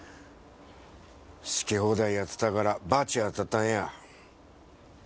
好き放題やってたからバチ当たったんや。